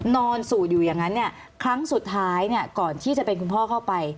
สูดอยู่อย่างนั้นเนี่ยครั้งสุดท้ายเนี่ยก่อนที่จะเป็นคุณพ่อเข้าไป